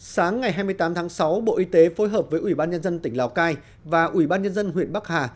sáng ngày hai mươi tám tháng sáu bộ y tế phối hợp với ủy ban nhân dân tỉnh lào cai và ủy ban nhân dân huyện bắc hà